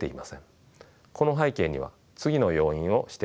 この背景には次の要因を指摘できます。